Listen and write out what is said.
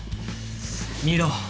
見ろ。